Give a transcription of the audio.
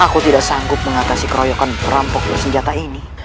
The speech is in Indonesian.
aku tidak sanggup mengatasi keroyokan perampoknya senjata ini